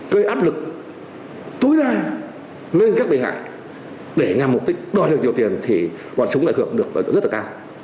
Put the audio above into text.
gây áp lực tối đa lên các bệnh hạng để ngăn mục đích đòi được nhiều tiền thì hoạt chúng lại hợp được rất là cao